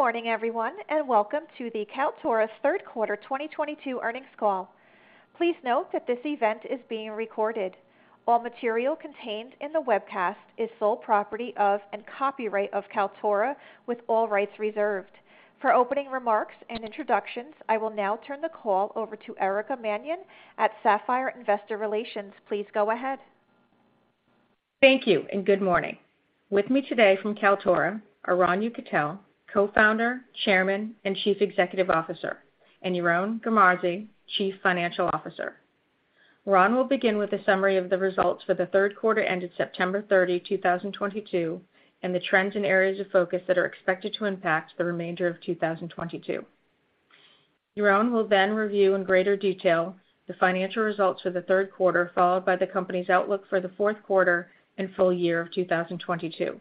Good morning, everyone, and welcome to the Kaltura's Third Quarter 2022 Earnings Call. Please note that this event is being recorded. All material contained in the webcast is sole property of and copyright of Kaltura with all rights reserved. For opening remarks and introductions, I will now turn the call over to Erica Mannion at Sapphire Investor Relations. Please go ahead. Thank you and good morning. With me today from Kaltura are Ron Yekutiel, Co-founder, Chairman, and Chief Executive Officer, and Yaron Garmazi, Chief Financial Officer. Ron will begin with a summary of the results for the third quarter ended September 30, 2022, and the trends and areas of focus that are expected to impact the remainder of 2022. Yaron will then review in greater detail the financial results for the third quarter, followed by the company's outlook for the fourth quarter and full year of 2022.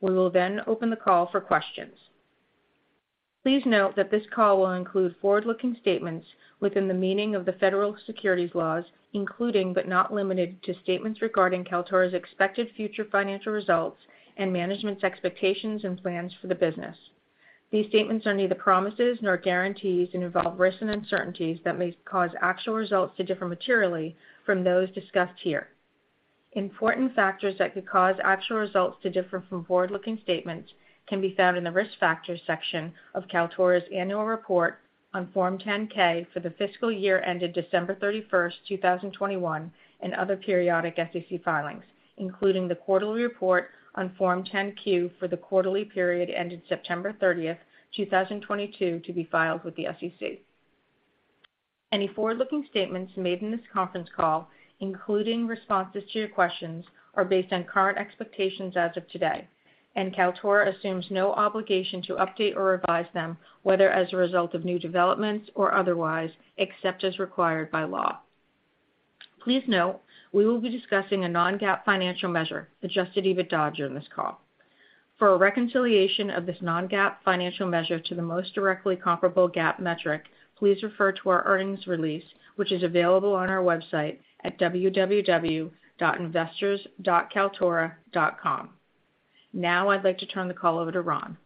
We will then open the call for questions. Please note that this call will include forward-looking statements within the meaning of the federal securities laws, including, but not limited to, statements regarding Kaltura's expected future financial results and management's expectations and plans for the business. These statements are neither promises nor guarantees and involve risks and uncertainties that may cause actual results to differ materially from those discussed here. Important factors that could cause actual results to differ from forward-looking statements can be found in the Risk Factors section of Kaltura's annual report on Form 10-K for the fiscal year ended December 31st, 2021, and other periodic SEC filings, including the quarterly report on Form 10-Q for the quarterly period ended September 30th, 2022, to be filed with the SEC. Any forward-looking statements made in this conference call, including responses to your questions, are based on current expectations as of today, and Kaltura assumes no obligation to update or revise them, whether as a result of new developments or otherwise, except as required by law. Please note, we will be discussing a non-GAAP financial measure, adjusted EBITDA, during this call. For a reconciliation of this non-GAAP financial measure to the most directly comparable GAAP metric, please refer to our earnings release, which is available on our website at www.investors.kaltura.com. Now, I'd like to turn the call over to Ron.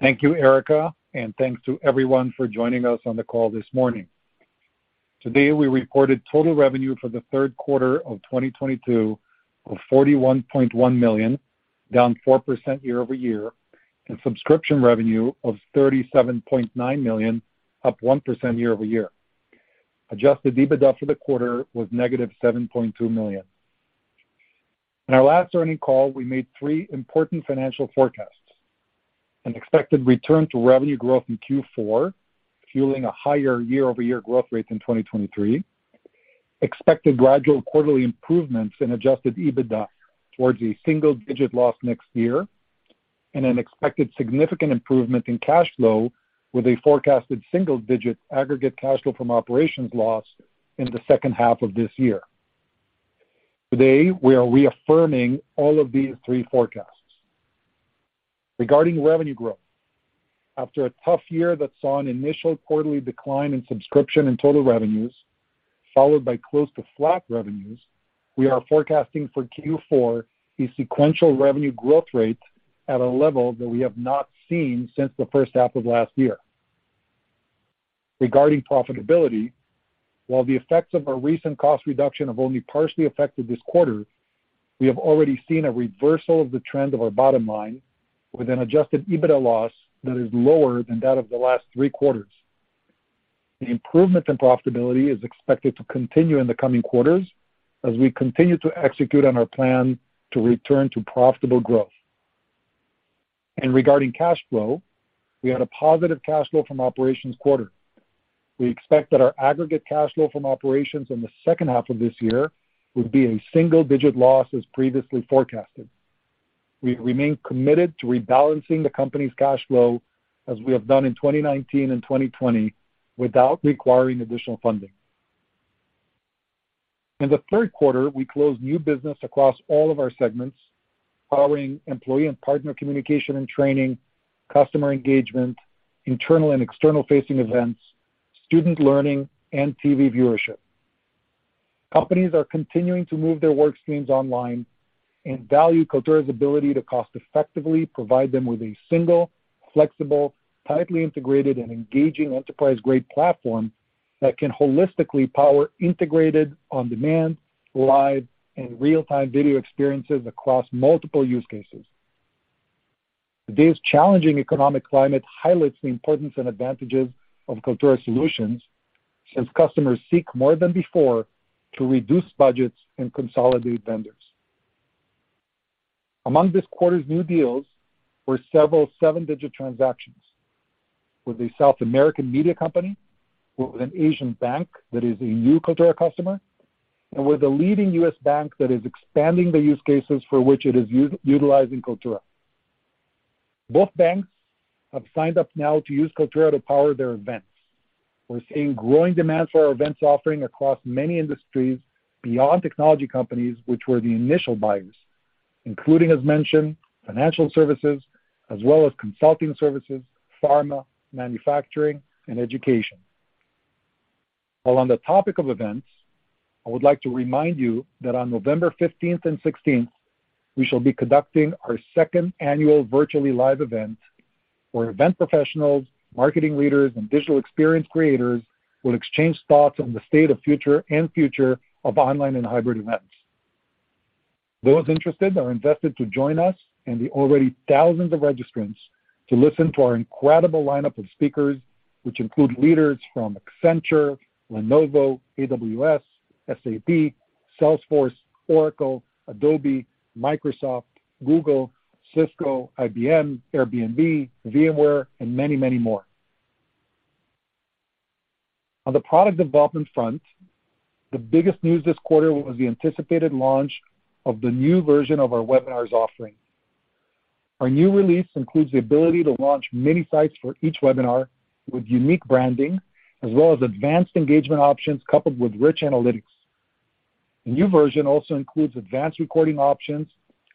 Thank you, Erica, and thanks to everyone for joining us on the call this morning. Today, we reported total revenue for the third quarter of 2022 of $41.1 million, down 4% year-over-year, and subscription revenue of $37.9 million, up 1% year-over-year. Adjusted EBITDA for the quarter was -$7.2 million. In our last earnings call, we made three important financial forecasts, an expected return to revenue growth in Q4, fueling a higher year-over-year growth rate in 2023, expected gradual quarterly improvements in adjusted EBITDA towards a single-digit loss next year, and an expected significant improvement in cash flow with a forecasted single-digit aggregate cash flow from operations loss in the second half of this year. Today, we are reaffirming all of these three forecasts. Regarding revenue growth, after a tough year that saw an initial quarterly decline in subscription and total revenues, followed by close to flat revenues, we are forecasting for Q4 a sequential revenue growth rate at a level that we have not seen since the first half of last year. Regarding profitability, while the effects of our recent cost reduction have only partially affected this quarter, we have already seen a reversal of the trend of our bottom line with an adjusted EBITDA loss that is lower than that of the last three quarters. The improvement in profitability is expected to continue in the coming quarters as we continue to execute on our plan to return to profitable growth. Regarding cash flow, we had a positive cash flow from operations quarter. We expect that our aggregate cash flow from operations in the second half of this year will be a single-digit loss as previously forecasted. We remain committed to rebalancing the company's cash flow as we have done in 2019 and 2020 without requiring additional funding. In the third quarter, we closed new business across all of our segments, powering employee and partner communication and training, customer engagement, internal and external-facing events, student learning, and TV viewership. Companies are continuing to move their work streams online and value Kaltura's ability to cost-effectively provide them with a single, flexible, tightly integrated, and engaging enterprise-grade platform that can holistically power integrated on-demand, live, and real-time video experiences across multiple use cases. Today's challenging economic climate highlights the importance and advantages of Kaltura solutions as customers seek more than before to reduce budgets and consolidate vendors. Among this quarter's new deals were several seven-digit transactions with a South American media company, with an Asian bank that is a new Kaltura customer, and with a leading U.S. bank that is expanding the use cases for which it is utilizing Kaltura. Both banks have signed up now to use Kaltura to power their events. We're seeing growing demand for our events offering across many industries beyond technology companies which were the initial buyers, including, as mentioned, financial services as well as consulting services, pharma, manufacturing, and education. Well, on the topic of events, I would like to remind you that on November 15th and 16th, we shall be conducting our second annual Virtually Live! event where event professionals, marketing leaders, and digital experience creators will exchange thoughts on the state of future and future of online and hybrid events. Those interested are invited to join us and the already thousands of registrants to listen to our incredible lineup of speakers, which include leaders from Accenture, Lenovo, AWS, SAP, Salesforce, Oracle, Adobe, Microsoft, Google, Cisco, IBM, Airbnb, VMware, and many, many more. On the product development front, the biggest news this quarter was the anticipated launch of the new version of our webinars offering. Our new release includes the ability to launch many sites for each webinar with unique branding, as well as advanced engagement options coupled with rich analytics. The new version also includes advanced recording options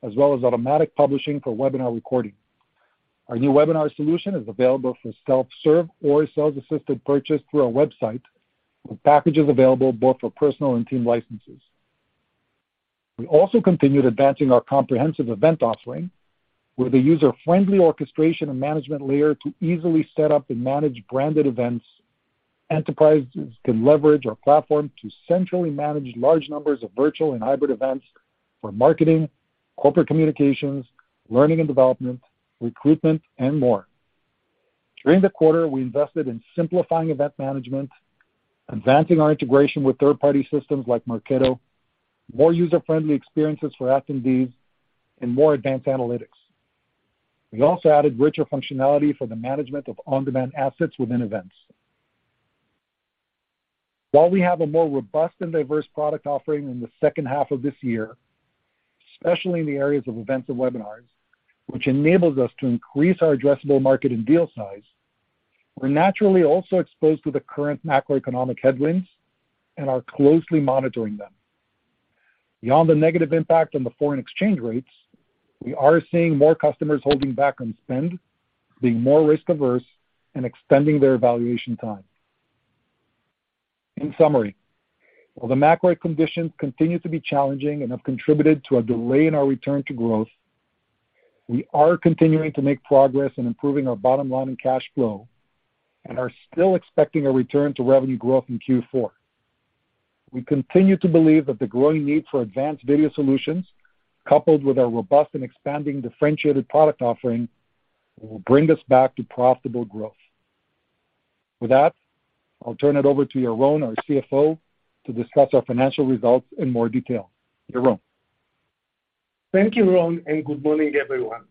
as well as automatic publishing for webinar recording. Our new webinar solution is available for self-serve or sales-assisted purchase through our website, with packages available both for personal and team licenses. We also continued advancing our comprehensive event offering with a user-friendly orchestration and management layer to easily set up and manage branded events. Enterprises can leverage our platform to centrally manage large numbers of virtual and hybrid events for marketing, corporate communications, learning and development, recruitment, and more. During the quarter, we invested in simplifying event management, advancing our integration with third-party systems like Marketo, more user-friendly experiences for attendees, and more advanced analytics. We also added richer functionality for the management of on-demand assets within events. While we have a more robust and diverse product offering in the second half of this year, especially in the areas of events and webinars, which enables us to increase our addressable market and deal size, we're naturally also exposed to the current macroeconomic headwinds and are closely monitoring them. Beyond the negative impact on the foreign exchange rates, we are seeing more customers holding back on spend, being more risk-averse, and extending their evaluation time. In summary, while the macro conditions continue to be challenging and have contributed to a delay in our return to growth, we are continuing to make progress in improving our bottom line and cash flow and are still expecting a return to revenue growth in Q4. We continue to believe that the growing need for advanced video solutions, coupled with our robust and expanding differentiated product offering, will bring us back to profitable growth. With that, I'll turn it over to Yaron, our CFO, to discuss our financial results in more detail. Yaron. Thank you, Ron, and good morning, everyone.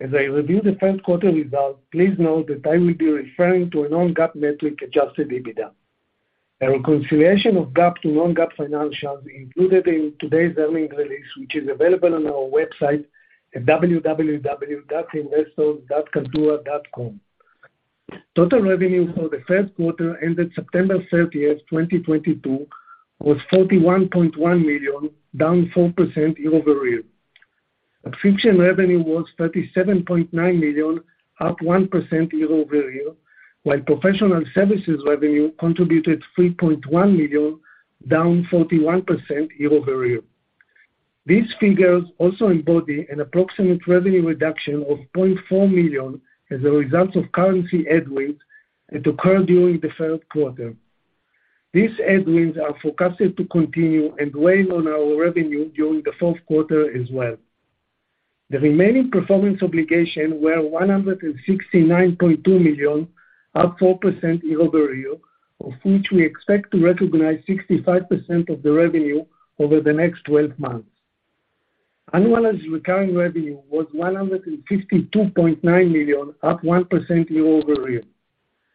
As I review the first quarter results, please note that I will be referring to a non-GAAP metric adjusted EBITDA. A reconciliation of GAAP to non-GAAP financials included in today's earnings release, which is available on our website at www.investors.kaltura.com. Total revenue for the first quarter ended September 30th, 2022 was $41.1 million, down 4% year-over-year. Subscription revenue was $37.9 million, up 1% year-over-year, while professional services revenue contributed $3.1 million, down 41% year-over-year. These figures also embody an approximate revenue reduction of $0.4 million as a result of currency headwinds that occurred during the third quarter. These headwinds are forecasted to continue and weigh on our revenue during the fourth quarter as well. The Remaining Performance Obligations were $169.2 million, up 4% year-over-year, of which we expect to recognize 65% of the revenue over the next twelve months. Annualized Recurring Revenue was $152.9 million, up 1% year-over-year.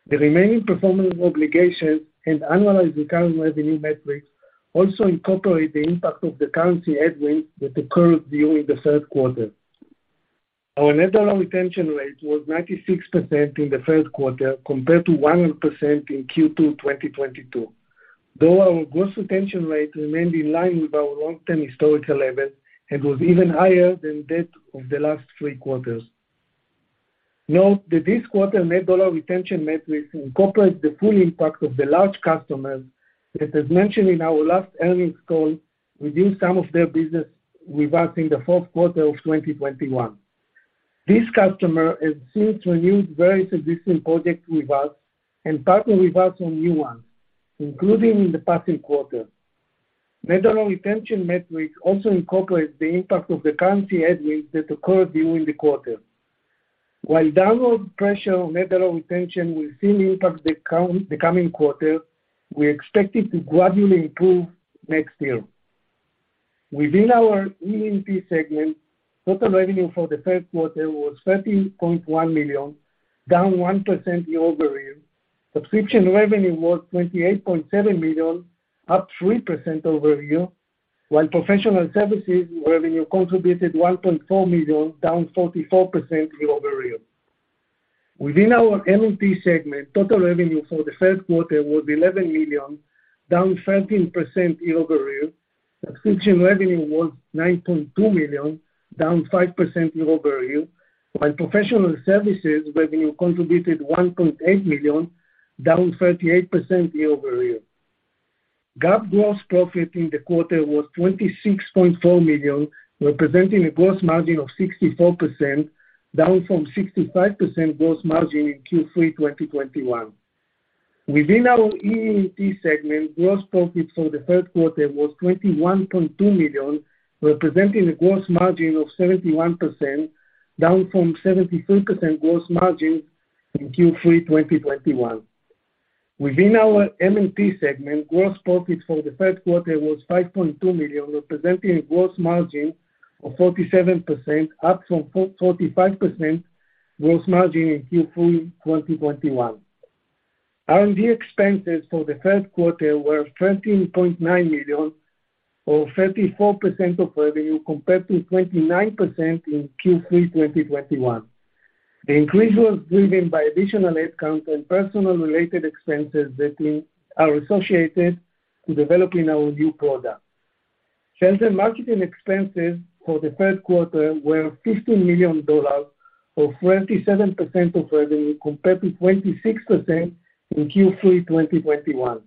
The Remaining Performance Obligations and Annualized Recurring Revenue metrics also incorporate the impact of the currency headwinds that occurred during the third quarter. Our Net Dollar Retention Rate was 96% in the first quarter compared to 100% in Q2 2022, though our gross retention rate remained in line with our long-term historical levels and was even higher than that of the last three quarters. Note that this quarter net dollar retention metrics incorporate the full impact of the large customers that as mentioned in our last earnings call, reduced some of their business with us in the fourth quarter of 2021. This customer has since renewed various existing projects with us and partnered with us on new ones, including in the past quarter. Net dollar retention metrics also incorporate the impact of the currency headwinds that occurred during the quarter. While downward pressure on net dollar retention will still impact the coming quarter, we expect it to gradually improve next year. Within our EE&T segment, total revenue for the first quarter was $13.1 million, down 1% year-over-year. Subscription revenue was $28.7 million, up 3% year-over-year, while professional services revenue contributed $1.4 million, down 44% year-over-year. Within our M&T segment, total revenue for the first quarter was $11 million, down 13% year-over-year. Subscription revenue was $9.2 million, down 5% year-over-year, while professional services revenue contributed $1.8 million, down 38% year-over-year. GAAP gross profit in the quarter was $26.4 million, representing a gross margin of 64%, down from 65% gross margin in Q3 2021. Within our EE&T segment, gross profit for the third quarter was $21.2 million, representing a gross margin of 71%, down from 73% gross margin in Q3 2021. Within our M&T segment, gross profit for the third quarter was $5.2 million, representing a gross margin of 47%, up from 35% gross margin in Q3 2021. R&D expenses for the first quarter were $13.9 million, or 34% of revenue, compared to 29% in Q3 2021. The increase was driven by additional headcount and personnel-related expenses that we are associated to developing our new product. Sales and marketing expenses for the third quarter were $15 million, or 27% of revenue, compared to 26% in Q3 2021.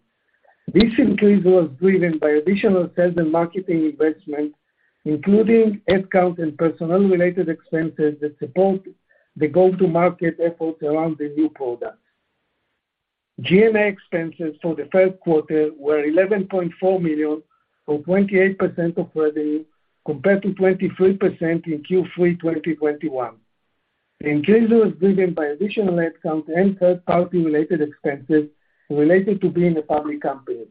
This increase was driven by additional sales and marketing investments, including headcount and personnel-related expenses that support the go-to-market efforts around the new product. G&A expenses for the first quarter were $11.4 million, or 28% of revenue, compared to 23% in Q3 2021. The increase was driven by additional headcount and third-party-related expenses related to being a public company.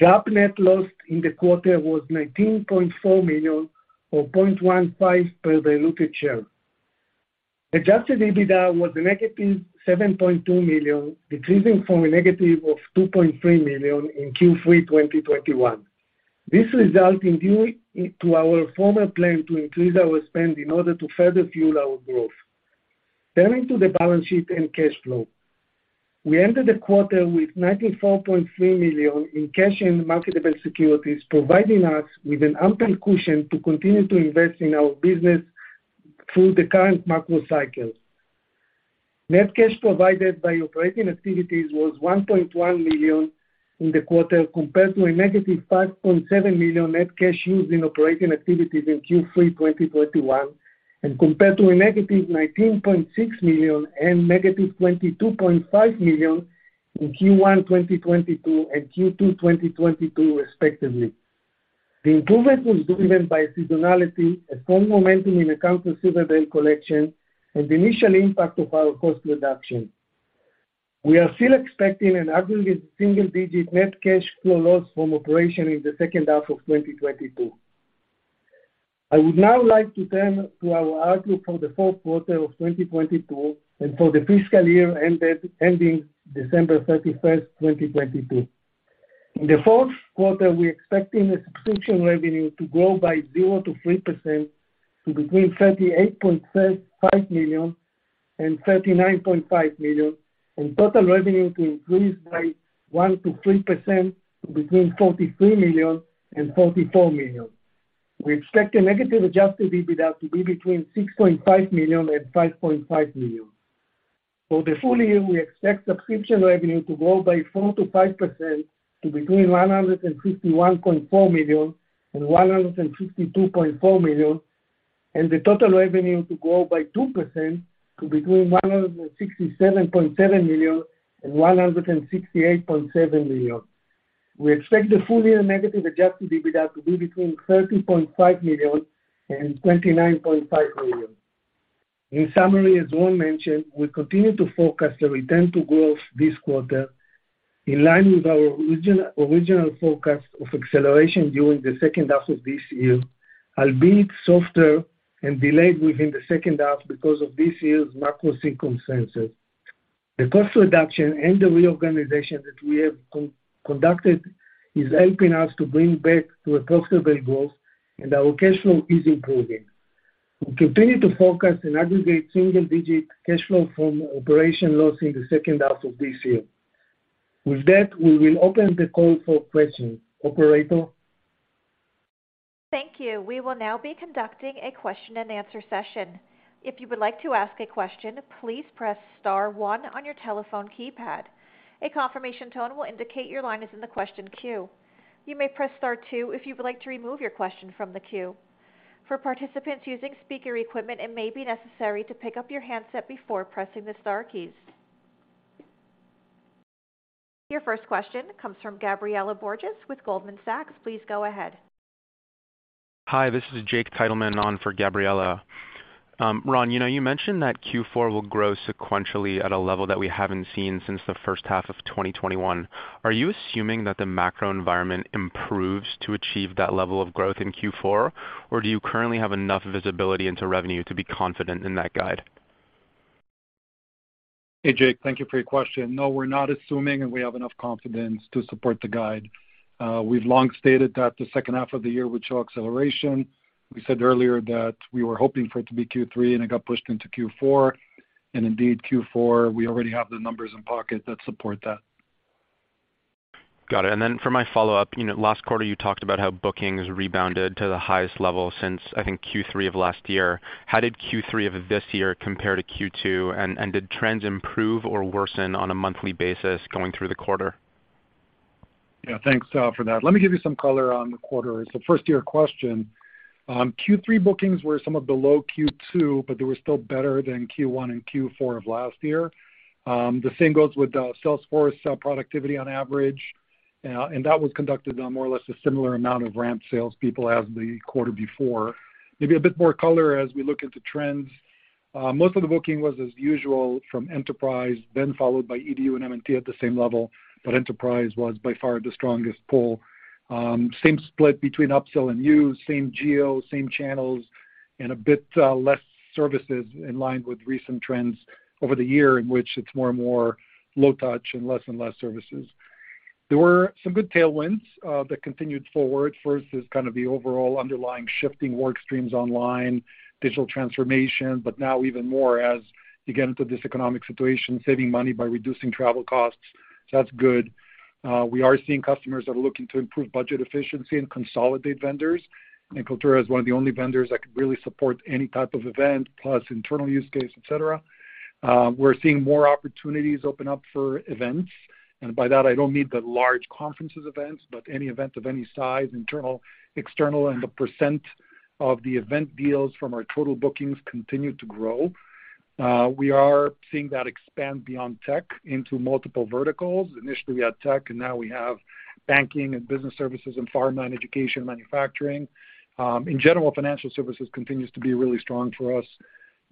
GAAP net loss in the quarter was $19.4 million or $0.15 per diluted share. Adjusted EBITDA was -$7.2 million, decreasing from a -$2.3 million in Q3 2021. This result is due to our forward plan to increase our spend in order to further fuel our growth. Turning to the balance sheet and cash flow. We ended the quarter with $94.3 million in cash and marketable securities, providing us with an ample cushion to continue to invest in our business through the current macro cycle. Net cash provided by operating activities was $1.1 million in the quarter compared to a -$5.7 million net cash used in operating activities in Q3 2021, and compared to a -$19.6 million and -$22.5 million in Q1 2022 and Q2 2022 respectively. The improvement was driven by seasonality, a strong momentum in account receivable collection, and the initial impact of our cost reduction. We are still expecting an aggregate single-digit net cash flow loss from operation in the second half of 2022. I would now like to turn to our outlook for the fourth quarter of 2022 and for the fiscal year ending December 31st, 2022. In the fourth quarter, we're expecting the subscription revenue to grow by 0%-3% to between $38.5 million and $39.5 million, and total revenue to increase by 1%-3% to between $43 million and $44 million. We expect a negative adjusted EBITDA to be between $6.5 million and $5.5 million. For the full year, we expect subscription revenue to grow by 4%-5% to between $151.4 million and $152.4 million, and the total revenue to grow by 2% to between $167.7 million and $168.7 million. We expect the full-year negative adjusted EBITDA to be between $30.5 million and $29.5 million. In summary, as Ron mentioned, we continue to focus the return to growth this quarter in line with our original forecast of acceleration during the second half of this year, albeit softer and delayed within the second half because of this year's macro circumstances. The cost reduction and the reorganization that we have conducted is helping us to bring back to a profitable growth and our cash flow is improving. We continue to focus on aggregate single-digit cash flow from operations loss in the second half of this year. With that, we will open the call for questions. Operator? Thank you. We will now be conducting a question-and-answer session. If you would like to ask a question, please press star one on your telephone keypad. A confirmation tone will indicate your line is in the question queue. You may press star two if you would like to remove your question from the queue. For participants using speaker equipment, it may be necessary to pick up your handset before pressing the star keys. Your first question comes from Gabriela Borges with Goldman Sachs. Please go ahead. Hi, this is Jake Titleman on for Gabriela. Ron, you know, you mentioned that Q4 will grow sequentially at a level that we haven't seen since the first half of 2021. Are you assuming that the macro environment improves to achieve that level of growth in Q4, or do you currently have enough visibility into revenue to be confident in that guide? Hey, Jake. Thank you for your question. No, we're not assuming, and we have enough confidence to support the guide. We've long stated that the second half of the year would show acceleration. We said earlier that we were hoping for it to be Q3, and it got pushed into Q4. Indeed, Q4, we already have the numbers in pocket that support that. Got it. For my follow-up, you know, last quarter, you talked about how bookings rebounded to the highest level since I think Q3 of last year. How did Q3 of this year compare to Q2? Did trends improve or worsen on a monthly basis going through the quarter? Yeah, thanks for that. Let me give you some color on the quarter. First to your question, Q3 bookings were somewhat below Q2, but they were still better than Q1 and Q4 of last year. The same goes with sales force productivity on average. That was conducted on more or less a similar amount of ramped salespeople as the quarter before. Maybe a bit more color as we look at the trends. Most of the booking was as usual from Enterprise, then followed by EDU and M&T at the same level, but Enterprise was by far the strongest pull. Same split between upsell and new, same geo, same channels, and a bit less services in line with recent trends over the year in which it's more and more low touch and less and less services. There were some good tailwinds that continued forward. First is kind of the overall underlying shifting work streams online, digital transformation, but now even more as you get into this economic situation, saving money by reducing travel costs. So that's good. We are seeing customers that are looking to improve budget efficiency and consolidate vendors. Kaltura is one of the only vendors that could really support any type of event plus internal use case, et cetera. We're seeing more opportunities open up for events. By that I don't mean the large conferences events, but any event of any size, internal, external, and the percent of the event deals from our total bookings continue to grow. We are seeing that expand beyond tech into multiple verticals. Initially, we had tech, and now we have banking and business services and pharma, education, manufacturing. In general, financial services continues to be really strong for us.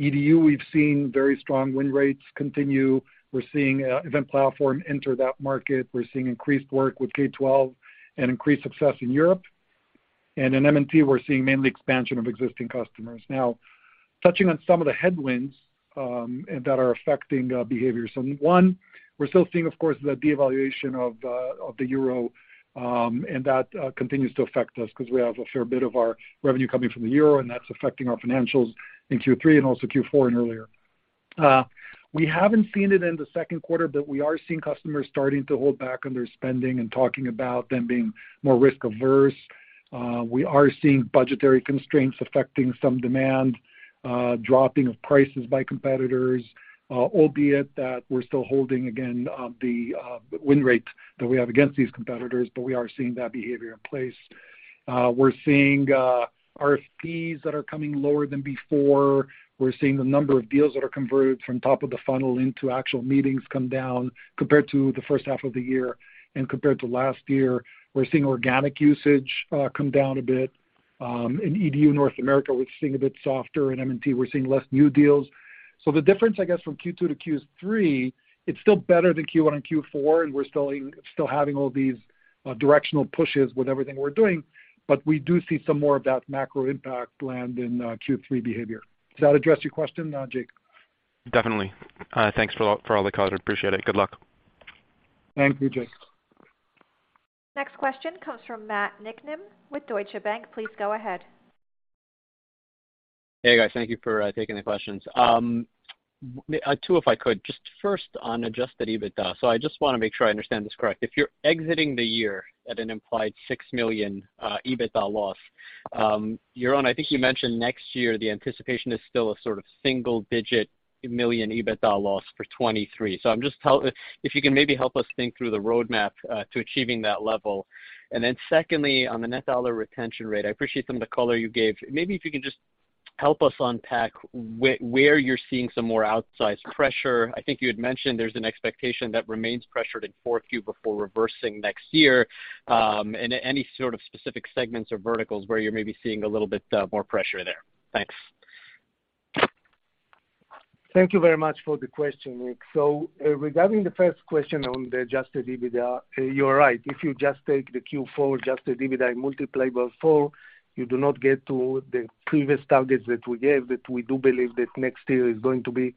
EDU, we've seen very strong win rates continue. We're seeing event platform enter that market. We're seeing increased work with K12 and increased success in Europe. In M&T, we're seeing mainly expansion of existing customers. Now, touching on some of the headwinds and that are affecting behavior. One, we're still seeing of course, the devaluation of the euro, and that continues to affect us 'cause we have a fair bit of our revenue coming from the euro, and that's affecting our financials in Q3 and also Q4 and earlier. We haven't seen it in the second quarter, but we are seeing customers starting to hold back on their spending and talking about them being more risk averse. We are seeing budgetary constraints affecting some demand, dropping of prices by competitors, albeit that we're still holding again the win rates that we have against these competitors, but we are seeing that behavior in place. We're seeing RFPs that are coming lower than before. We're seeing the number of deals that are converted from top of the funnel into actual meetings come down compared to the first half of the year and compared to last year. We're seeing organic usage come down a bit. In EDU North America, we're seeing a bit softer. In M&T, we're seeing less new deals. The difference, I guess, from Q2 to Q3, it's still better than Q1 and Q4, and we're still having all these directional pushes with everything we're doing. We do see some more of that macro impact land in Q3 behavior. Does that address your question, Jake? Definitely. Thanks for all the color. Appreciate it. Good luck. Thank you, Jake. Next question comes from Matt Niknam with Deutsche Bank. Please go ahead. Hey, guys. Thank you for taking the questions. Two, if I could. Just first on adjusted EBITDA. So I just wanna make sure I understand this correct. If you're exiting the year at an implied $6 million EBITDA loss, Yaron, I think you mentioned next year the anticipation is still a sort of single-digit million EBITDA loss for 2023. If you can maybe help us think through the roadmap to achieving that level. Secondly, on the Net Dollar Retention Rate, I appreciate some of the color you gave. Maybe if you can just help us unpack where you're seeing some more outsized pressure. I think you had mentioned there's an expectation that remains pressured in 4Q before reversing next year. Any sort of specific segments or verticals where you're maybe seeing a little bit more pressure there. Thanks. Thank you very much for the question, Nik. Regarding the first question on the adjusted EBITDA, you're right. If you just take the Q4 adjusted EBITDA and multiply by four, you do not get to the previous targets that we gave, but we do believe that next year is going to be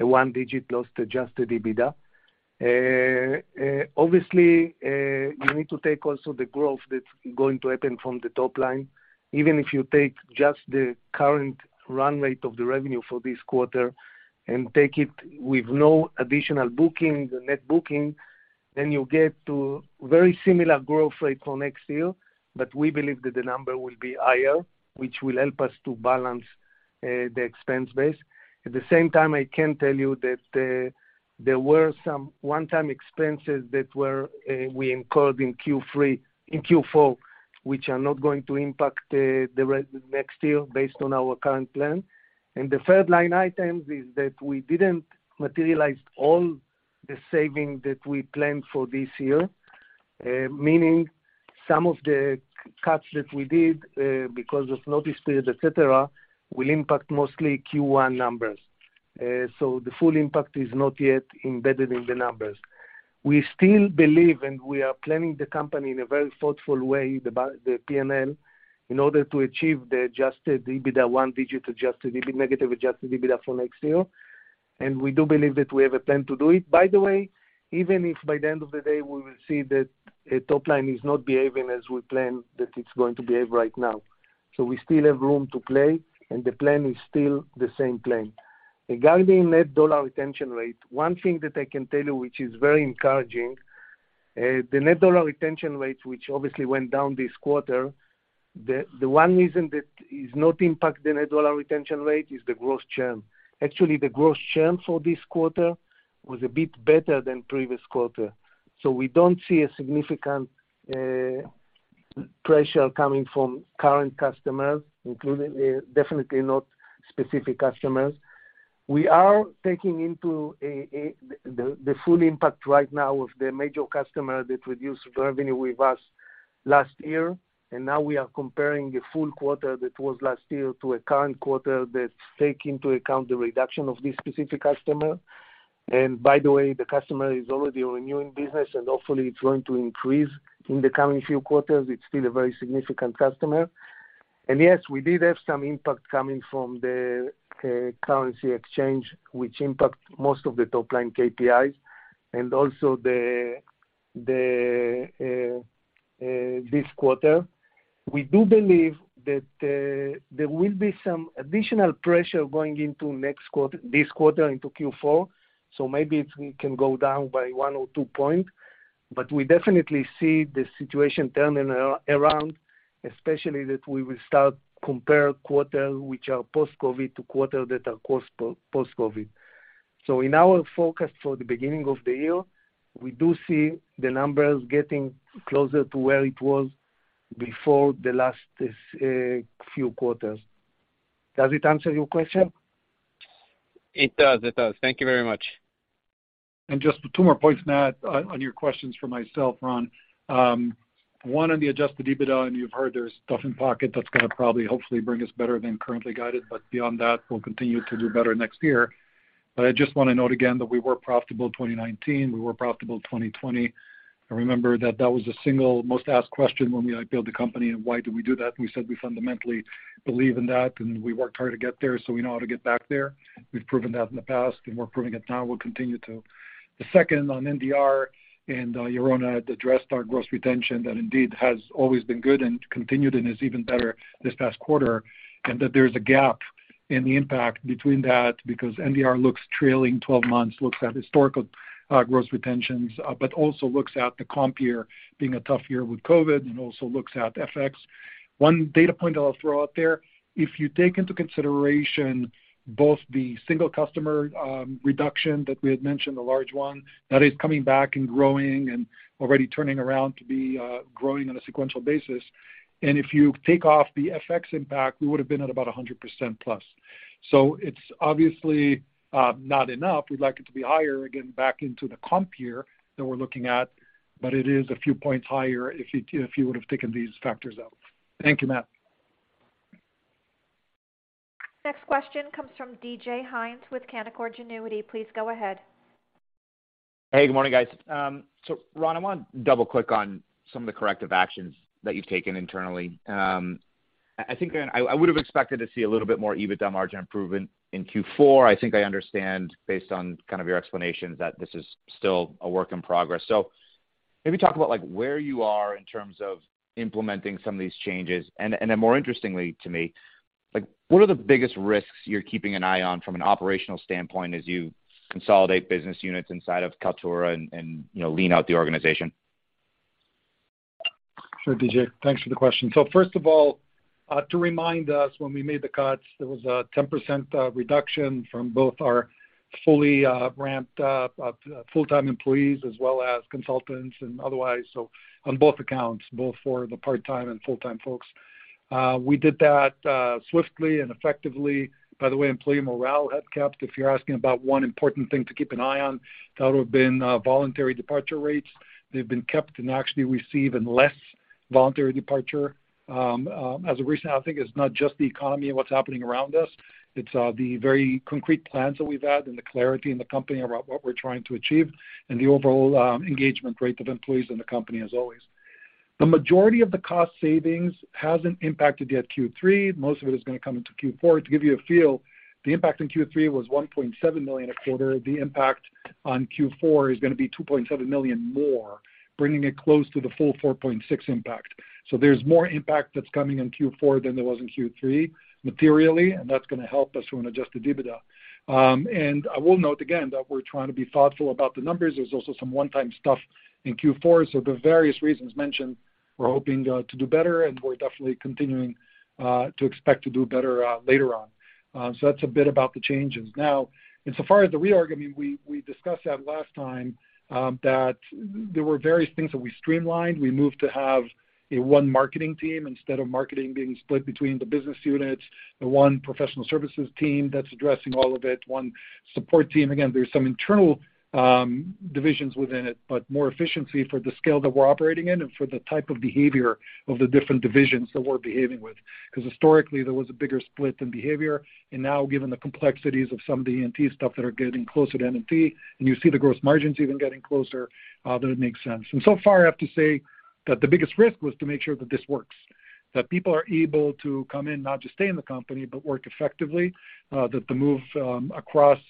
a one-digit loss to adjusted EBITDA. Obviously, you need to take also the growth that's going to happen from the top line. Even if you take just the current run rate of the revenue for this quarter and take it with no additional booking, the net booking, then you get to very similar growth rate for next year. We believe that the number will be higher, which will help us to balance the expense base. At the same time, I can tell you that there were some one-time expenses that we incurred in Q4, which are not going to impact next year based on our current plan. The third line item is that we didn't materialize all the savings that we planned for this year. Meaning some of the cuts that we did because of notice period, et cetera, will impact mostly Q1 numbers. The full impact is not yet embedded in the numbers. We still believe, and we are planning the company in a well thoughtful way, the P&L, in order to achieve the adjust EBITDA, one digit negative adjusted EBITDA for next year. We do believe that we have a plan to do it. By the way, even if by the end of the day we will see that a top line is not behaving as we planned that it's going to behave right now. We still have room to play, and the plan is still the same plan. Regarding Net Dollar Retention Rate, one thing that I can tell you, which is very encouraging, the Net Dollar Retention Rate, which obviously went down this quarter, the one reason that is not impact the Net Dollar Retention Rate is the gross churn. Actually, the gross churn for this quarter was a bit better than previous quarter. We don't see a significant pressure coming from current customers, including definitely not specific customers. We are taking into the full impact right now of the major customer that reduced revenue with us last year, and now we are comparing the full quarter that was last year to a current quarter that take into account the reduction of this specific customer. By the way, the customer is already renewing business and hopefully it's going to increase in the coming few quarters. It's still a very significant customer. Yes, we did have some impact coming from the currency exchange, which impacts most of the top line KPIs and also this quarter. We do believe that there will be some additional pressure going into this quarter into Q4, so maybe it can go down by 1 or 2 points. We definitely see the situation turning around, especially that we will start comparing quarters, which are post-COVID, to quarters that are post-COVID. In our forecast for the beginning of the year, we do see the numbers getting closer to where it was before the last few quarters. Does it answer your question? It does. Thank you very much. Just two more points on that, on your questions for myself, Ron. One on the adjusted EBITDA, and you've heard there's stuff in pocket that's gonna probably hopefully bring us better than currently guided, but beyond that, we'll continue to do better next year. I just wanna note again that we were profitable in 2019, we were profitable in 2020. I remember that was the single most asked question when we, like, built the company and why do we do that? We said we fundamentally believe in that, and we worked hard to get there, so we know how to get back there. We've proven that in the past, and we're proving it now. We'll continue to. The second on NDR. Yaron had addressed our gross retention that indeed has always been good and continued and is even better this past quarter, and that there's a gap in the impact between that because NDR looks trailing twelve months, looks at historical gross retentions, but also looks at the comp year being a tough year with COVID, and also looks at FX. One data point that I'll throw out there, if you take into consideration both the single customer reduction that we had mentioned, the large one, that is coming back and growing and already turning around to be growing on a sequential basis, and if you take off the FX impact, we would've been at about 100%+. It's obviously not enough. We'd like it to be higher, again, back into the comp year that we're looking at, but it is a few points higher if you would've taken these factors out. Thank you, Matt. Next question comes from DJ Hynes with Canaccord Genuity. Please go ahead. Hey, good morning, guys. Ron, I wanna double-click on some of the corrective actions that you've taken internally. I think I would have expected to see a little bit more EBITDA margin improvement in Q4. I think I understand based on kind of your explanations that this is still a work in progress. Maybe talk about like where you are in terms of implementing some of these changes. Then more interestingly to me, like, what are the biggest risks you're keeping an eye on from an operational standpoint as you consolidate business units inside of Kaltura and, you know, lean out the organization? Sure, DJ. Thanks for the question. First of all, to remind us, when we made the cuts, there was a 10% reduction from both our fully ramped up full-time employees as well as consultants and otherwise. On both accounts, both for the part-time and full-time folks. We did that swiftly and effectively. By the way, employee morale had kept, if you're asking about one important thing to keep an eye on, that would have been voluntary departure rates. They've been kept, and actually we see even less voluntary departure. As a recent, I think it's not just the economy and what's happening around us. It's the very concrete plans that we've had and the clarity in the company around what we're trying to achieve and the overall engagement rate of employees in the company as always. The majority of the cost savings hasn't impacted yet Q3. Most of it is gonna come into Q4. To give you a feel, the impact in Q3 was $1.7 million a quarter. The impact on Q4 is gonna be $2.7 million more, bringing it close to the full $4.6 impact. There's more impact that's coming in Q4 than there was in Q3 materially, and that's gonna help us on adjusted EBITDA. I will note again that we're trying to be thoughtful about the numbers. There's also some one-time stuff in Q4. The various reasons mentioned, we're hoping to do better, and we're definitely continuing to expect to do better later on. That's a bit about the changes. Now, insofar as the reorg, I mean, we discussed that last time, that there were various things that we streamlined. We moved to have a one marketing team instead of marketing being split between the business units, the one professional services team that's addressing all of it, one support team. Again, there's some internal divisions within it, but more efficiency for the scale that we're operating in and for the type of behavior of the different divisions that we're behaving with. 'Cause historically, there was a bigger split in behavior. Now given the complexities of some of the EE&T stuff that are getting closer to M&T, and you see the gross margins even getting closer, that it makes sense. So far, I have to say that the biggest risk was to make sure that this works, that people are able to come in, not just stay in the company, but work effectively, that the move across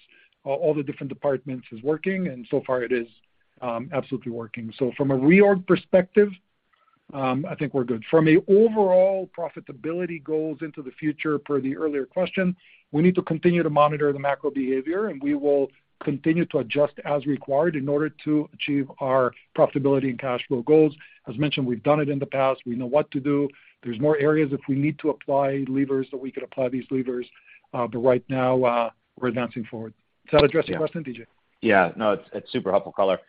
all the different departments is working, and so far it is absolutely working. So from a reorg perspective, I think we're good. From an overall profitability goals into the future per the earlier question, we need to continue to monitor the macro behavior, and we will continue to adjust as required in order to achieve our profitability and cash flow goals. As mentioned, we've done it in the past. We know what to do. There's more areas if we need to apply levers, that we could apply these levers, but right now, we're advancing forward. Does that address your question, DJ? Yeah. No, it's super helpful color.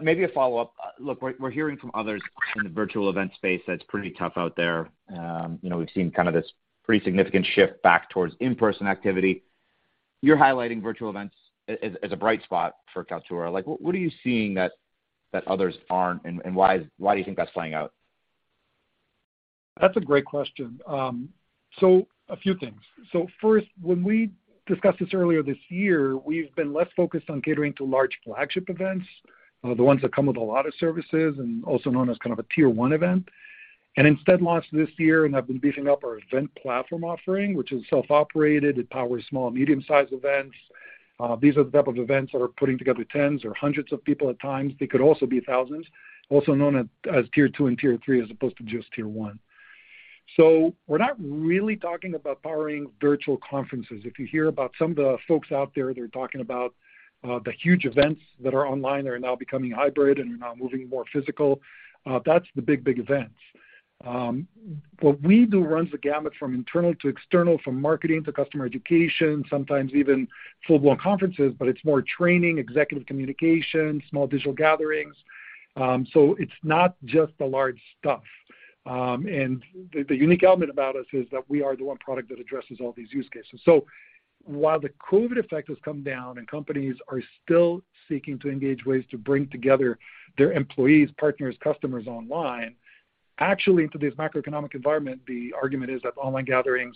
Maybe a follow-up. Look, we're hearing from others in the virtual event space that it's pretty tough out there. You know, we've seen kind of this pretty significant shift back towards in-person activity. You're highlighting virtual events as a bright spot for Kaltura. Like, what are you seeing that others aren't, and why do you think that's playing out? That's a great question. A few things. First, when we discussed this earlier this year, we've been less focused on catering to large flagship events, the ones that come with a lot of services and also known as kind of a tier one event. Instead launched this year and have been beefing up our event platform offering, which is self-operated. It powers small, medium-sized events. These are the type of events that are putting together tens or hundreds of people at times. They could also be thousands, also known as tier two and tier three, as opposed to just tier one. We're not really talking about powering virtual conferences. If you hear about some of the folks out there, they're talking about, the huge events that are online that are now becoming hybrid and are now moving more physical. That's the big, big events. What we do runs the gamut from internal to external, from marketing to customer education, sometimes even full-blown conferences, but it's more training, executive communication, small digital gatherings. It's not just the large stuff. The unique element about us is that we are the one product that addresses all these use cases. While the COVID effect has come down and companies are still seeking to engage ways to bring together their employees, partners, customers online, actually into this macroeconomic environment, the argument is that online gatherings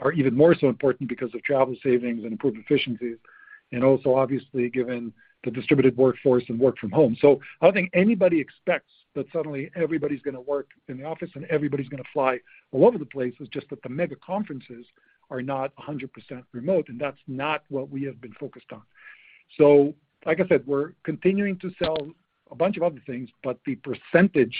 are even more so important because of travel savings and improved efficiencies and also obviously given the distributed workforce and work from home. I don't think anybody expects that suddenly everybody's gonna work in the office and everybody's gonna fly all over the place. It's just that the mega conferences are not 100% remote, and that's not what we have been focused on. Like I said, we're continuing to sell a bunch of other things, but the percentage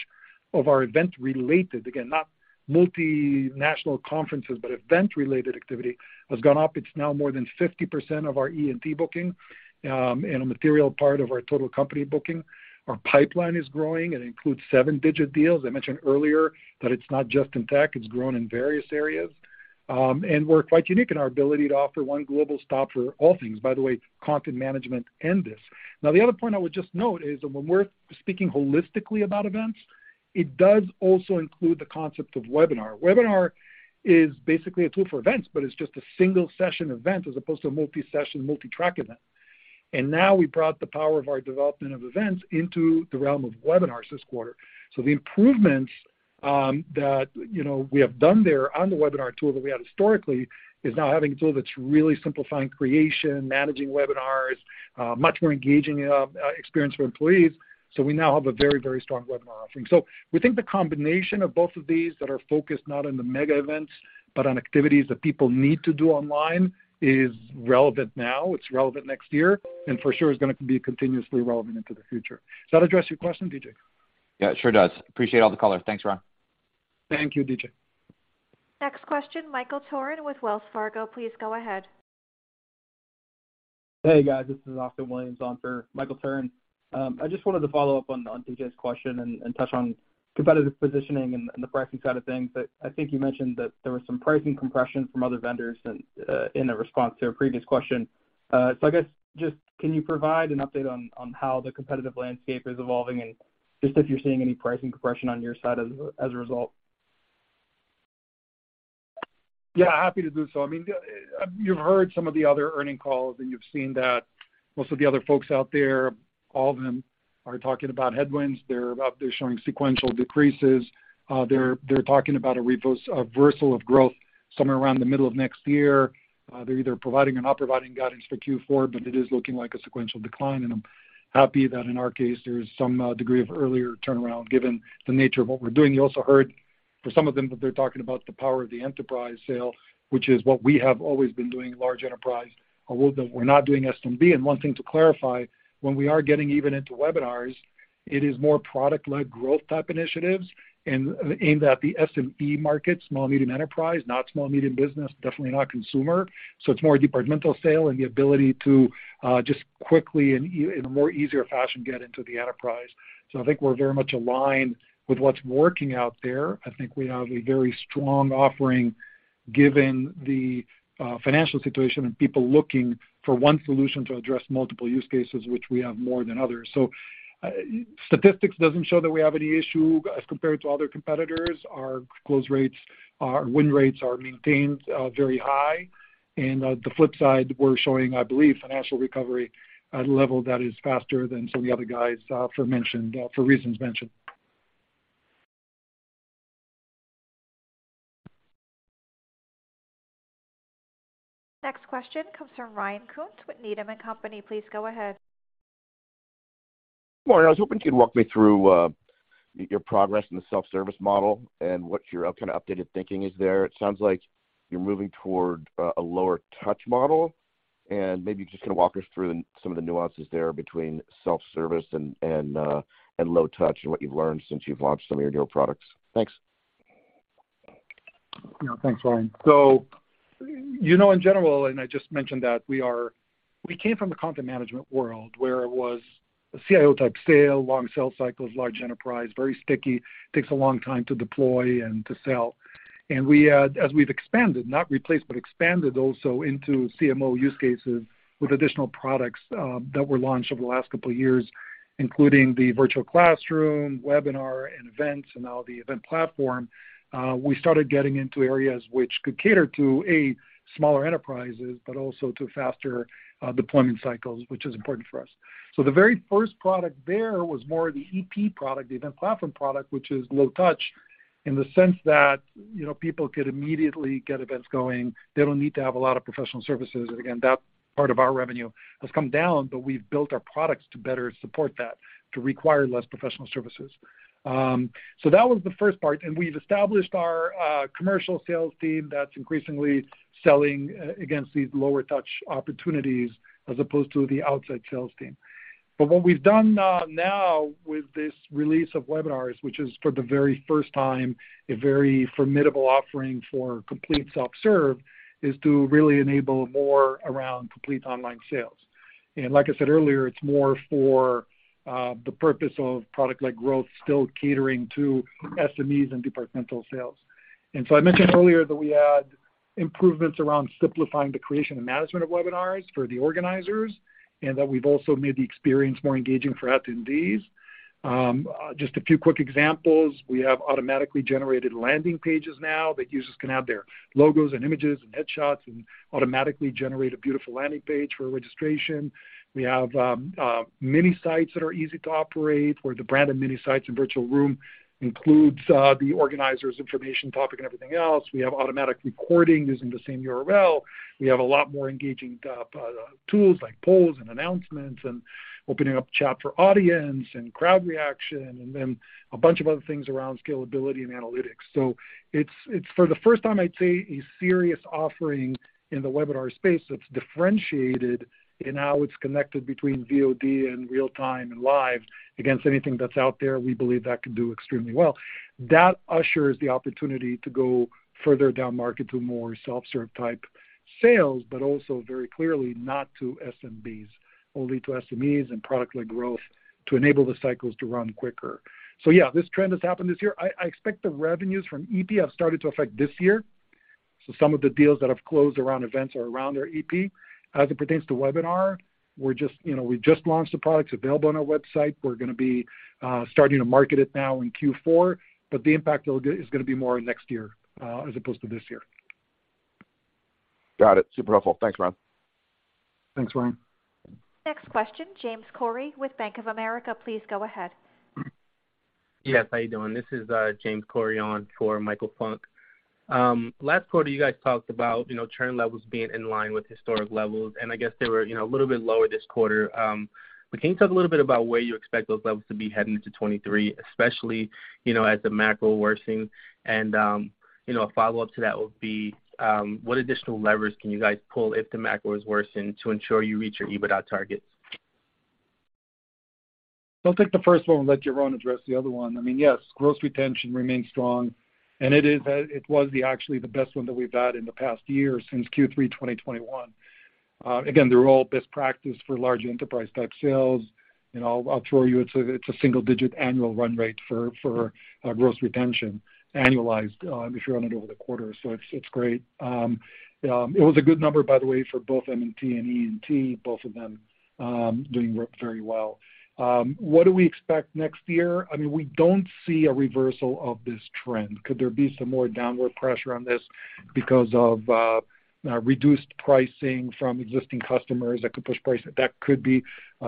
of our event related, again, not multinational conferences, but event related activity, has gone up. It's now more than 50% of our E&P booking, and a material part of our total company booking. Our pipeline is growing. It includes seven-digit deals. I mentioned earlier that it's not just in tech, it's grown in various areas. We're quite unique in our ability to offer one global stop for all things, by the way, content management and this. Now, the other point I would just note is that when we're speaking holistically about events, it does also include the concept of webinar. Webinar is basically a tool for events, but it's just a single session event as opposed to a multi-session, multi-track event. Now we brought the power of our development of events into the realm of webinars this quarter. The improvements that you know we have done there on the webinar tool that we had historically is now having a tool that's really simplifying creation, managing webinars much more engaging experience for employees. We now have a very, very strong webinar offering. We think the combination of both of these that are focused not on the mega events, but on activities that people need to do online is relevant now, it's relevant next year, and for sure is gonna be continuously relevant into the future. Does that address your question, DJ? Yeah, it sure does. Appreciate all the color. Thanks, Ron. Thank you, DJ. Next question, Michael Turrin with Wells Fargo. Please go ahead. Hey, guys. This is Austin Williams on for Michael Turrin. I just wanted to follow up on DJ's question and touch on competitive positioning and the pricing side of things. I think you mentioned that there was some pricing compression from other vendors in a response to a previous question. I guess just can you provide an update on how the competitive landscape is evolving and just if you're seeing any pricing compression on your side as a result? Yeah, happy to do so. I mean, you've heard some of the other earnings calls, and you've seen that most of the other folks out there, all of them are talking about headwinds. They're up. They're showing sequential decreases. They're talking about a reversal of growth somewhere around the middle of next year. They're either providing or not providing guidance for Q4, but it is looking like a sequential decline. I'm happy that in our case, there's some degree of earlier turnaround given the nature of what we're doing. You also heard for some of them that they're talking about the power of the enterprise sale, which is what we have always been doing, large enterprise. Although we're not doing SMB. One thing to clarify, when we are getting even into webinars, it is more product-led growth type initiatives and aimed at the SME market, small medium enterprise, not small medium business, definitely not consumer. It's more departmental sale and the ability to just quickly and in a more easier fashion, get into the enterprise. I think we're very much aligned with what's working out there. I think we have a very strong offering given the financial situation and people looking for one solution to address multiple use cases, which we have more than others. Statistics doesn't show that we have any issue as compared to other competitors. Our close rates, our win rates are maintained very high. The flip side, we're showing, I believe, financial recovery at a level that is faster than some of the other guys, for reasons mentioned. Next question comes from Ryan Koontz with Needham & Company. Please go ahead. Morning. I was hoping you'd walk me through your progress in the self-service model and what your kinda updated thinking is there. It sounds like you're moving toward a lower touch model, and maybe you just kinda walk us through some of the nuances there between self-service and low touch and what you've learned since you've launched some of your newer products. Thanks. Yeah. Thanks, Ryan. You know, in general, I just mentioned we came from the content management world, where it was a CIO-type sale, long sales cycles, large enterprise, very sticky, takes a long time to deploy and to sell. As we've expanded, not replaced, but expanded also into CMO use cases with additional products that were launched over the last couple of years, including the virtual classroom, webinar, and events, and now the event platform, we started getting into areas which could cater to a, smaller enterprises, but also to faster deployment cycles, which is important for us. The very first product there was more the EP product, the event platform product, which is low touch in the sense that, you know, people could immediately get events going. They don't need to have a lot of professional services. Again, that part of our revenue has come down, but we've built our products to better support that, to require less professional services. That was the first part, and we've established our commercial sales team that's increasingly selling against these lower touch opportunities as opposed to the outside sales team. What we've done now with this release of webinars, which is for the very first time a very formidable offering for complete self-serve, is to really enable more around complete online sales. Like I said earlier, it's more for the purpose of product-led growth still catering to SMEs and departmental sales. I mentioned earlier that we had improvements around simplifying the creation and management of webinars for the organizers, and that we've also made the experience more engaging for attendees. Just a few quick examples. We have automatically generated landing pages now that users can have their logos and images and headshots, and automatically generate a beautiful landing page for registration. We have many sites that are easy to operate, where the brand and many sites in virtual room includes the organizers information topic and everything else. We have automatic recording using the same URL. We have a lot more engaging tools like polls and announcements and opening up chat for audience and crowd reaction, and then a bunch of other things around scalability and analytics. It's for the first time, I'd say, a serious offering in the webinar space that's differentiated in how it's connected between VOD and real-time and live. Against anything that's out there, we believe that could do extremely well. That ushers the opportunity to go further down market to more self-serve type sales, but also very clearly not to SMBs. Only to SMEs and product-led growth to enable the cycles to run quicker. Yeah, this trend has happened this year. I expect the revenues from E&P have started to affect this year, so some of the deals that have closed around events are around our E&P. As it pertains to webinar, we're just, you know, we just launched the product. It's available on our website. We're gonna be starting to market it now in Q4, but the impact it'll get is gonna be more next year as opposed to this year. Got it. Super helpful. Thanks, Ron. Thanks, Ryan. Next question, James Corey with Bank of America. Please go ahead. Yes, how you doing? This is James Corey on for Michael Funk. Last quarter, you guys talked about, you know, churn levels being in line with historic levels, and I guess they were, you know, a little bit lower this quarter. But can you talk a little bit about where you expect those levels to be heading into 2023, especially, you know, as the macro worsening? You know, a follow-up to that would be what additional levers can you guys pull if the macro is worsened to ensure you reach your EBITDA targets? I'll take the first one and let Yaron address the other one. I mean, yes, gross retention remains strong, and it was actually the best one that we've had in the past year since Q3 2021. Again, they're all best practice for large enterprise-type sales. You know, I'll tell you it's a single-digit annual run rate for gross retention, annualized, if you run it over the quarter. So it's great. It was a good number, by the way, for both M&T and EE&T, both of them doing very well. What do we expect next year? I mean, we don't see a reversal of this trend. Could there be some more downward pressure on this because of reduced pricing from existing customers that could push price? That could be,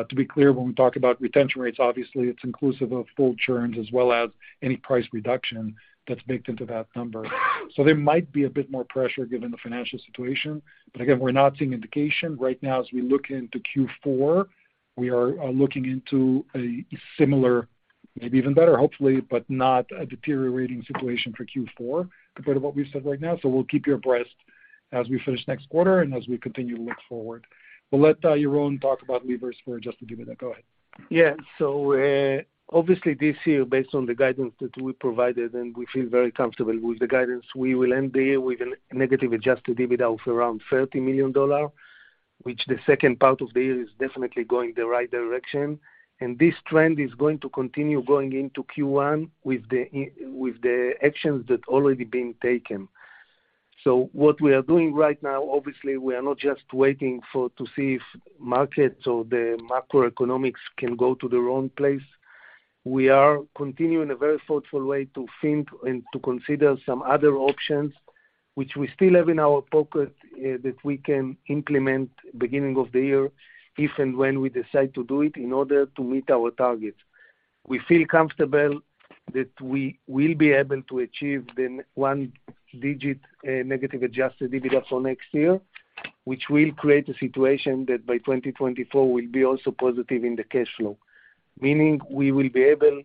to be clear, when we talk about retention rates, obviously, it's inclusive of full churns as well as any price reduction that's baked into that number. There might be a bit more pressure given the financial situation. Again, we're not seeing indication right now as we look into Q4. We are looking into a similar, maybe even better, hopefully, but not a deteriorating situation for Q4 compared to what we've said right now. We'll keep you abreast as we finish next quarter and as we continue to look forward. We'll let Yaron talk about levers for adjusted EBITDA. Go ahead. Yeah. Obviously this year, based on the guidance that we provided, and we feel very comfortable with the guidance, we will end the year with a negative adjusted EBITDA of around $30 million, which the second part of the year is definitely going the right direction. This trend is going to continue going into Q1 with the actions that already been taken. What we are doing right now, obviously, we are not just waiting to see if markets or the macroeconomics can go to the wrong place. We are continuing a very thoughtful way to think and to consider some other options, which we still have in our pocket, that we can implement beginning of the year if and when we decide to do it in order to meet our targets. We feel comfortable that we will be able to achieve the one digit negative adjusted EBITDA for next year, which will create a situation that by 2024 will be also positive in the cash flow. Meaning, we will be able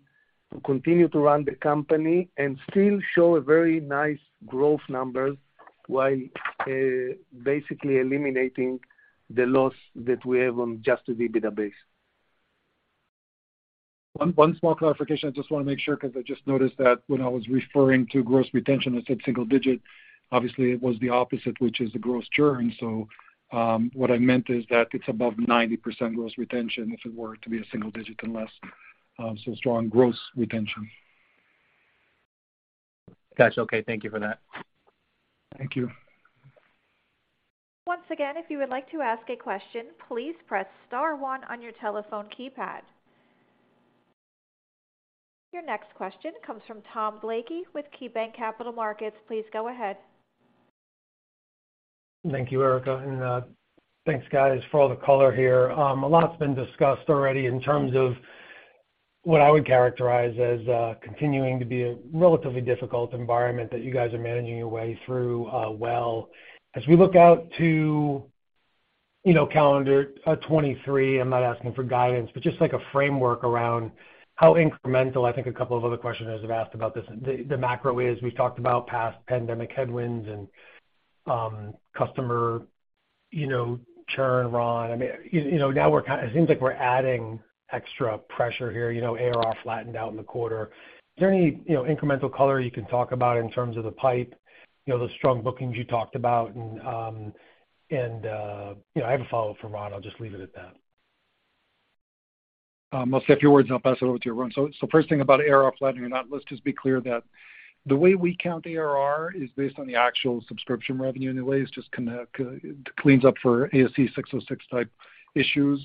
to continue to run the company and still show a very nice growth numbers while basically eliminating the loss that we have on adjusted EBITDA basis. One small clarification, I just wanna make sure because I just noticed that when I was referring to gross retention, I said single digit. Obviously it was the opposite, which is the gross churn. What I meant is that it's above 90% gross retention, if it were to be a single digit and less, so strong gross retention. Got you. Okay. Thank you for that. Thank you. Once again, if you would like to ask a question, please press star one on your telephone keypad. Your next question comes from Tom Blakey with KeyBanc Capital Markets. Please go ahead. Thank you, Erica. Thanks, guys, for all the color here. A lot's been discussed already in terms of what I would characterize as continuing to be a relatively difficult environment that you guys are managing your way through, well. As we look out to, you know, calendar 2023, I'm not asking for guidance, but just like a framework around how incremental. I think a couple of other questioners have asked about this. The macro is we've talked about past pandemic headwinds and customer, you know, churn, Ron. I mean, you know, now it seems like we're adding extra pressure here, you know, ARR flattened out in the quarter. Is there any, you know, incremental color you can talk about in terms of the pipe, you know, the strong bookings you talked about? You know, I have a follow-up for Ron. I'll just leave it at that. I'll say a few words, and I'll pass it over to you, Ron. First thing about ARR flattening or not, let's just be clear that the way we count the ARR is based on the actual subscription revenue. Anyways, cleans up for ASC 606 type issues,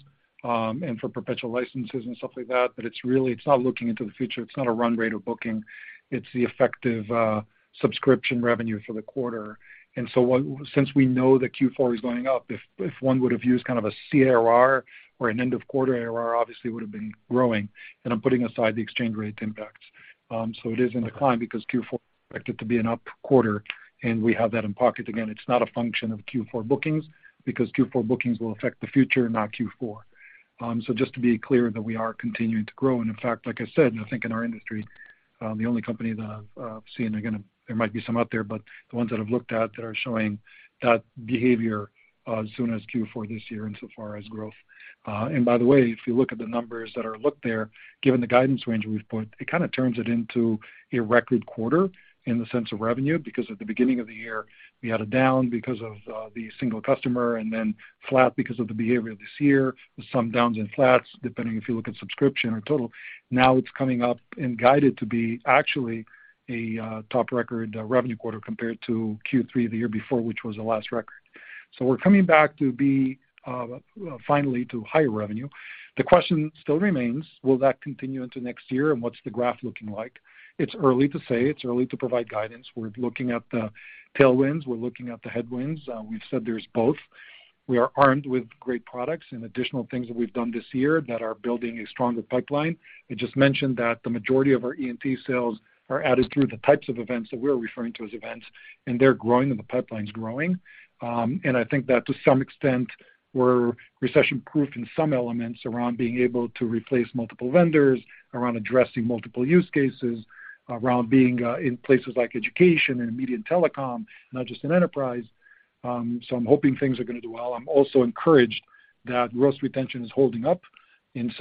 and for perpetual licenses and stuff like that. But it's really not looking into the future. It's not a run rate of booking. It's the effective subscription revenue for the quarter. Since we know that Q4 is going up, if one would have used kind of a CRR or an end of quarter ARR, obviously it would have been growing, and I'm putting aside the exchange rate impacts. It is in decline because Q4 expected to be an up quarter, and we have that in pocket. Again, it's not a function of Q4 bookings because Q4 bookings will affect the future, not Q4. Just to be clear that we are continuing to grow. In fact, like I said, I think in our industry, the only company that I've seen, again, there might be some out there, but the ones that I've looked at that are showing that behavior, such as Q4 this year insofar as growth. By the way, if you look at the numbers that are out there, given the guidance range we've put, it kinda turns it into a record quarter in the sense of revenue, because at the beginning of the year, we had a down because of the single customer and then flat because of the behavior this year, some downs and flats, depending if you look at subscription or total. Now it's coming up and guided to be actually a top record revenue quarter compared to Q3 the year before, which was the last record. We're coming back to be finally to higher revenue. The question still remains, will that continue into next year and what's the graph looking like? It's early to say. It's early to provide guidance. We're looking at the tailwinds, we're looking at the headwinds. We've said there's both. We are armed with great products and additional things that we've done this year that are building a stronger pipeline. I just mentioned that the majority of our EE&T sales are added through the types of events that we're referring to as events, and they're growing, and the pipeline's growing. I think that to some extent, we're recession-proof in some elements around being able to replace multiple vendors, around addressing multiple use cases, around being in places like education and Media and Telecom, not just in Enterprise. I'm hoping things are gonna do well. I'm also encouraged that gross retention is holding up.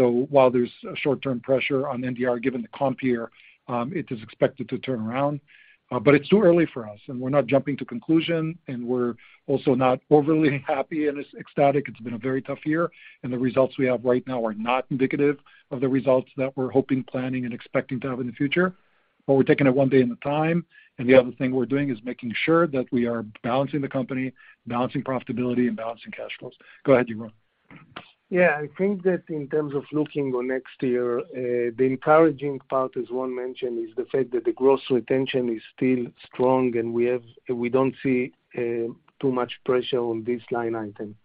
While there's short-term pressure on NDR, given the comp here, it is expected to turn around. It's too early for us, and we're not jumping to conclusion, and we're also not overly happy and ecstatic. It's been a very tough year, and the results we have right now are not indicative of the results that we're hoping, planning, and expecting to have in the future. We're taking it one day at a time, and the other thing we're doing is making sure that we are balancing the company, balancing profitability and balancing cash flows. Go ahead, Yaron. Yeah. I think that in terms of looking on next year, the encouraging part, as Ron mentioned, is the fact that the gross retention is still strong, and we don't see too much pressure on this line item.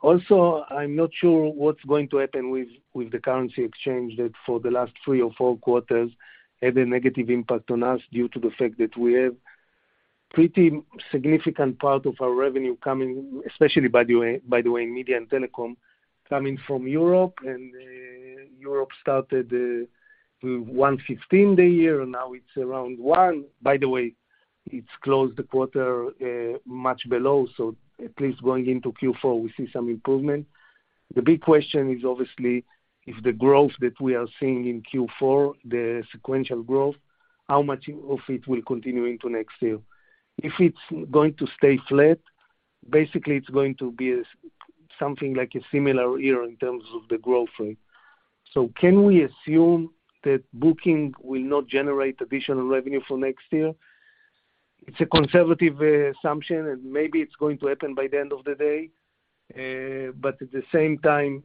Also, I'm not sure what's going to happen with the currency exchange that for the last three or four quarters had a negative impact on us due to the fact that we have pretty significant part of our revenue coming, especially, by the way, Media and Telecom, coming from Europe, and the Europe started at 1.15 the year, and now it's around 1. By the way, it closed the quarter much below, so at least going into Q4, we see some improvement. The big question is obviously if the growth that we are seeing in Q4, the sequential growth, how much of it will continue into next year? If it's going to stay flat, basically it's going to be something like a similar year in terms of the growth rate. Can we assume that booking will not generate additional revenue for next year? It's a conservative assumption, and maybe it's going to happen by the end of the day. But at the same time,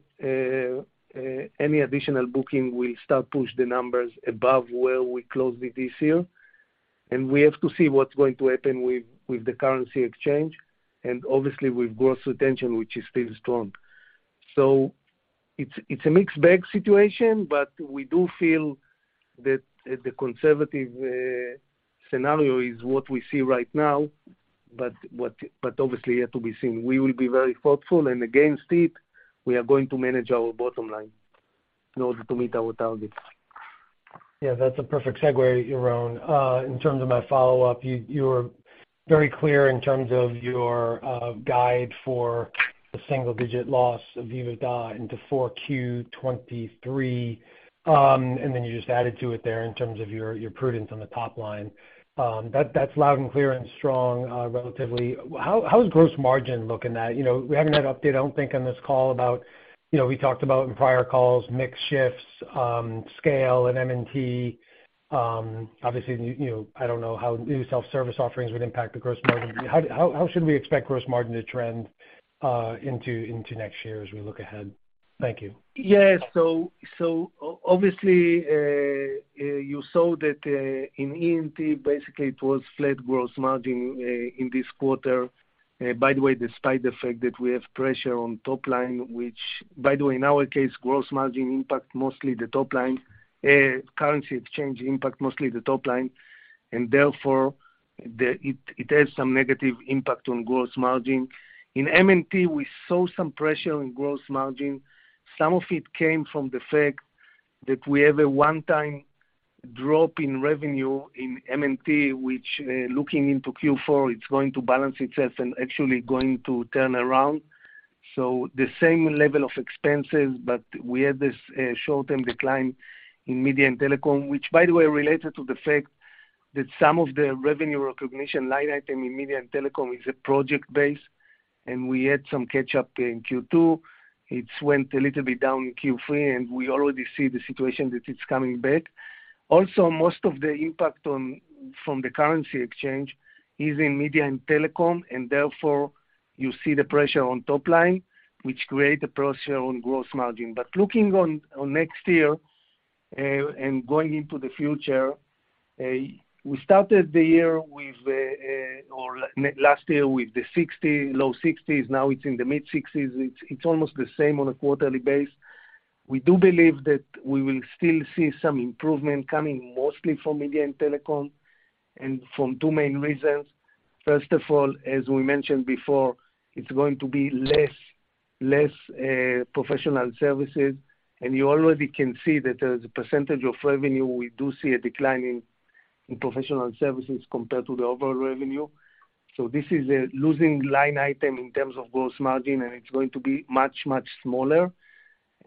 any additional booking will start to push the numbers above where we closed out this year. We have to see what's going to happen with the currency exchange and obviously with gross retention, which is still strong. It's a mixed bag situation, but we do feel that the conservative scenario is what we see right now, but obviously yet to be seen. We will be very thoughtful and against it, we are going to manage our bottom line in order to meet our targets. Yeah, that's a perfect segue, Yaron. In terms of my follow-up, you're very clear in terms of your guide for a single-digit loss of EBITDA into Q4 2023. Then you just added to it there in terms of your prudence on the top line. That's loud and clear and strong, relatively. How is gross margin looking? You know, we haven't had update, I don't think on this call about, you know, we talked about in prior calls, mix shifts, scale and M&T. Obviously, you know, I don't know how new self-service offerings would impact the gross margin. How should we expect gross margin to trend into next year as we look ahead? Thank you. Yes. Obviously, you saw that in EE&T, basically, it was flat gross margin in this quarter. By the way, despite the fact that we have pressure on top line, which by the way, in our case, gross margin impact mostly the top line. Currency exchange impact mostly the top line, and therefore it has some negative impact on gross margin. In M&T, we saw some pressure on gross margin. Some of it came from the fact that we have a one-time drop in revenue in M&T, which, looking into Q4, it's going to balance itself and actually going to turn around. The same level of expenses, but we had this short-term decline in Media and Telecom, which by the way related to the fact that some of the revenue recognition line item in Media and Telecom is project-based, and we had some catch up in Q2. It's went a little bit down in Q3, and we already see the situation that it's coming back. Also, most of the impact from the currency exchange is in Media and Telecom, and therefore you see the pressure on top line, which create the pressure on gross margin. But looking on next year and going into the future, we started the year with or last year with the 60, low 60s. Now it's in the mid-60s. It's almost the same on a quarterly basis. We do believe that we will still see some improvement coming mostly from Media and Telecom and from two main reasons. First of all, as we mentioned before, it's going to be less professional services. You already can see that as a percentage of revenue, we do see a decline in professional services compared to the overall revenue. This is a losing line item in terms of gross margin, and it's going to be much smaller.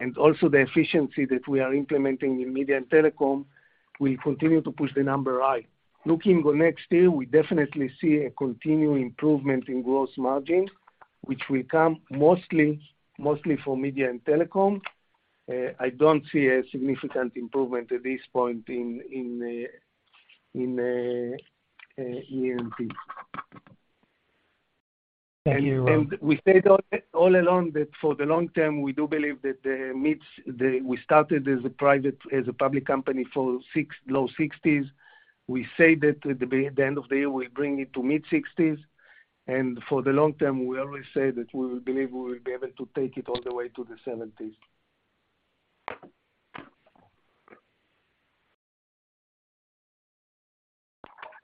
The efficiency that we are implementing in Media and Telecom will continue to push the number high. Looking on next year, we definitely see a continued improvement in gross margin, which will come mostly for Media and Telecom. I don't see a significant improvement at this point in EE&T. Thank you, Yaron. We said all along that for the long term, we do believe that we started as a public company in the low $60s. We say that at the end of the year, we bring it to mid-$60s. For the long term, we always say that we believe we will be able to take it all the way to the $70s.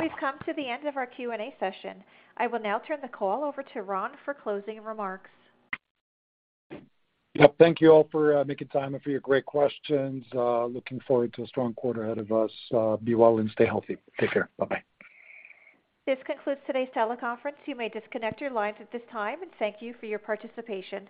We've come to the end of our Q&A session. I will now turn the call over to Ron for closing remarks. Yep. Thank you all for making time and for your great questions. Looking forward to a strong quarter ahead of us. Be well and stay healthy. Take care. Bye-bye. This concludes today's teleconference. You may disconnect your lines at this time. Thank you for your participation.